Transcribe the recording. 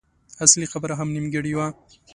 اصلي خبره هم نيمګړې وه.